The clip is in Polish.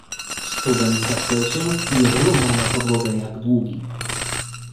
"Student zachwiał się i runął na podłogę jak długi."